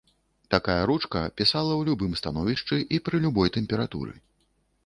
Такая ручка пісала ў любым становішчы і пры любой тэмпературы.